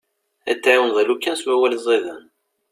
Ad t-tɛiwneḍ alukan s wawal ziden.